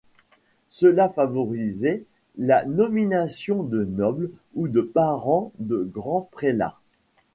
Cela favorisait la nomination de nobles ou de parents de grands prélats.